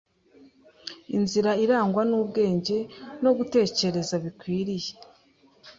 inzira irangwa n’ubwenge no gutekereza bikwiriye,